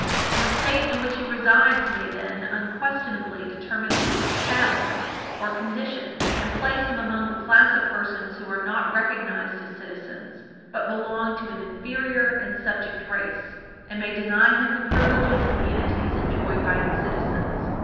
And the State in which he resides may then, unquestionably, determine his status or condition, and place him among the class of persons who are not recognised as citizens, but belong to an inferior and subject race, and may deny him the privileges and immunities enjoyed by its citizens.